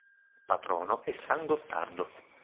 Patrono è San Gottardo.